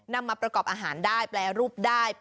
นำมาประกอบอาหารได้แปรรูปได้